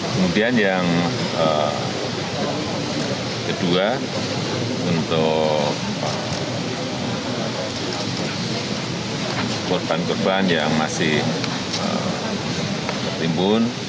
kemudian yang kedua untuk korban korban yang masih tertimbun